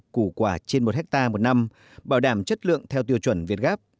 củ quả trên một hectare một năm bảo đảm chất lượng theo tiêu chuẩn việt gáp